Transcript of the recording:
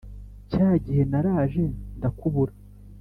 Cyagihe naraje ndakubura